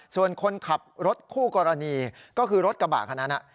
ส่วนคนขับรถคู่กรณีก็คือรถกระบะคันนั้น